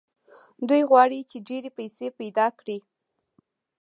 دوی غواړي چې ډېرې پيسې پيدا کړي.